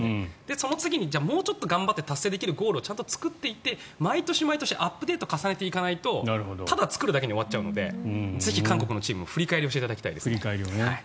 その次にもうちょっと頑張って達成できるゴールを作っていって毎年アップデートを重ねていかないとただ作るだけで終わっちゃうのでぜひ韓国のチームも振り返りをしていただきたいですね。